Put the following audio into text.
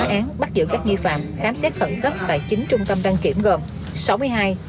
công an tp hcm bắt giữ các nghi phạm khám xét khẩn cấp tại chín trung tâm đăng kiểm gồm